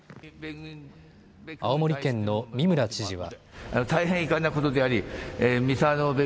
青森県の三村知事は。